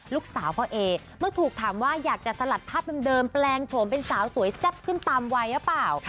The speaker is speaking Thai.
ลูกสาวพ่อเอเมื่อถูกถามว่าอยากจะสลัดภาพเดิมแปลงโฉมเป็นสาวสวยแซ่บขึ้นตามวัยหรือเปล่า